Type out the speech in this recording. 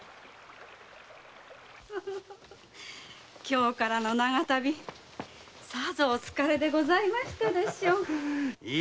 京からの長旅さぞお疲れでございましたでしょう。